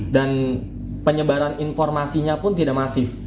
dan penyebaran informasinya pun tidak masif